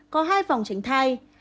có hai vòng tránh thai